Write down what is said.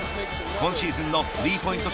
今シーズンのスリーポイント